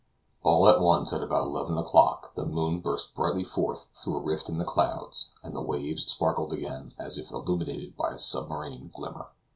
All at once, at about eleven o'clock, the moon burst brightly forth through a rift in the clouds, and the waves sparkled again as if illuminated by a submarine glimmer.